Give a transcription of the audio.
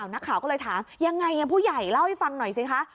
นักข่าวก็เลยถามยังไงผู้ใหญ่เล่าให้ฟังหน่อยสิคะ